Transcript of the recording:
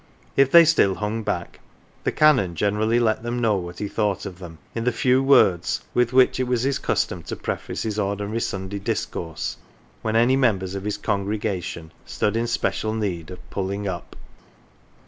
If they still hung back, the Canon generally let them know what he thought of them in the "few words'" with which it was his custom to preface his ordinary Sunday discourse when any members of his congregation stood in special need of " pulling up."